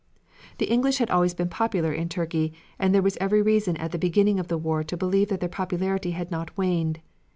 The English had always been popular in Turkey and there was every reason at the beginning of the war to believe that their popularity had not waned.